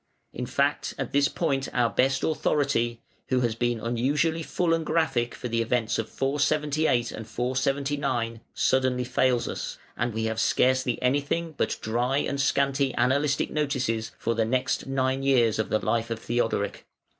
In fact at this point our best authority, who has been unusually full and graphic for the events of 478 and 479, suddenly fails us, and we have scarcely anything but dry and scanty annalistic notices for the next nine years of the life of Theodoric.